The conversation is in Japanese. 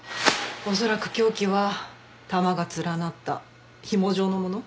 恐らく凶器は玉が連なった紐状のもの。